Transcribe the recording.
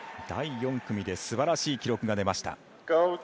第４組ですばらしい記録が出ました。